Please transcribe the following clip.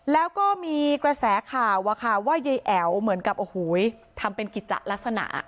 แล้วก็มีกระแสข่าวว่ายายแอ๋วเหมือนกับโอ้โหทำเป็นกิจจะลักษณะ